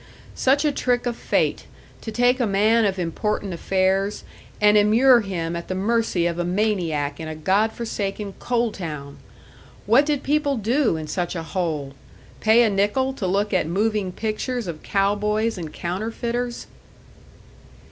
Such a trick of fate, to take a man of important affairs, and immure him at the mercy of a maniac in a God forsaken coal town! What did people do in such a hole? Pay a nickel to look at moving pictures of cow boys and counterfeiters?